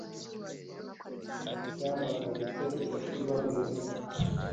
yampagaritse umutima mwiza